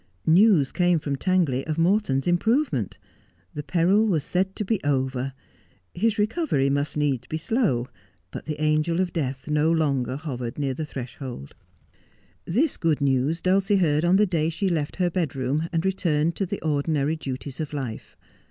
News came from Tangley of Morton's improvement. The peril was said to be over. His recovery must needs be slow ; but the angel of death no longer hovered near the threshold. This good news Dulcie heard on the day die left her bed room, and returned to the ordinary duties of life.